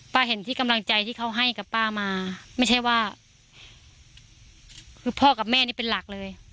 เห็นที่กำลังใจที่เขาให้กับป้ามาไม่ใช่ว่าคือพ่อกับแม่นี่เป็นหลักเลย